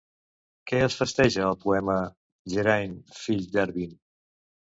Què es festeja al poema "Geraint, fill d'Erbin"?